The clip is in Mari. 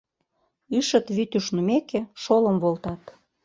Ӱшыт вӱд ушнымеке, шолым волтат.